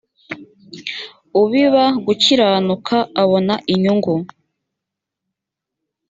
ubiba gukiranuka abona inyungu